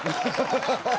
ハハハハ！